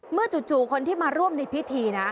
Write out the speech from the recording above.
จู่คนที่มาร่วมในพิธีนะ